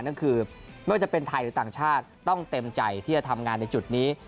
นั่นคือไม่ว่าจะเป็นไทยหรือต่างชาติต้องเต็มใจที่จะทำงานในจุดนี้